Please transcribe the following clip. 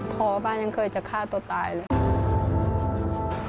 ท้อบ้างยังเคยจะฆ่าตัวตายเลย